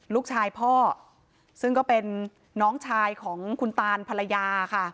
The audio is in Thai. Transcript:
ลูกชายพ่อซึ่งก็เป็นน้องชายของคุณตานภรรยาค่ะ